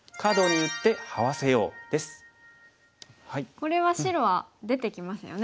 これは白は出てきますよね。